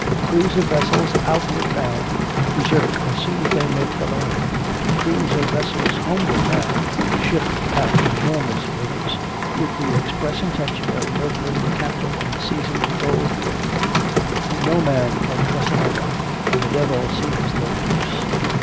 Crews of vessels outward bound, desert as soon as they make the land; crews of vessels homeward bound, ship at enormous wages, with the express intention of murdering the captain and seizing the gold freight; no man can trust another, and the devil seems let loose.